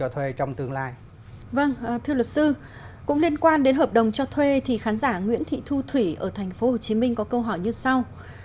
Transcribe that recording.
thưa luật sư cũng liên quan đến hợp đồng cho thuê thì khán giả nguyễn thị thu thủy ở tp hcm có câu hỏi như sau